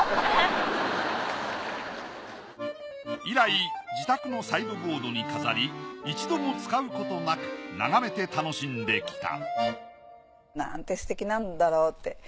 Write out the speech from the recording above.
以来自宅のサイドボードに飾り一度も使うことなく眺めて楽しんできたなんてすてきなんだろうって。